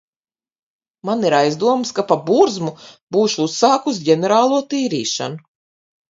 Man ir aizdomas, ka pa burzmu būšu uzsākusi ģenerālo tīrīšanu.